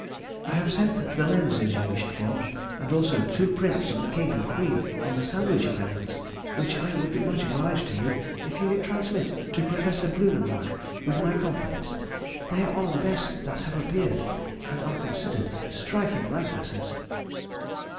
I have sent the lenses you wished for, and also two prints of the king and queen of the Sandwich Islands, which I would be much obliged to you if you would transmit to Prof. Blumenbach, with my compliments. They are the best that have appeared, and are considered striking likenesses.